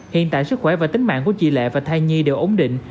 hiện tại sức khỏe và tính mạng của chị lệ và thai nhi đều ổn định